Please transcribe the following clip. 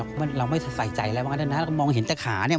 เราไม่ใส่ใจอะไรบ้างนะมองเห็นแต่ขาเนี่ย